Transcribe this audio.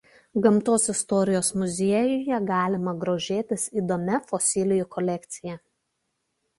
Gamtos istorijos muziejuje galima grožėtis įdomia fosilijų kolekcija.